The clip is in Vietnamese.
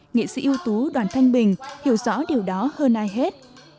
nghệ sĩ ưu tú đoàn thanh bình hiểu rõ điều đó hơn ai hết